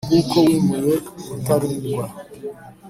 Bw’uko wimuye Rutalindwa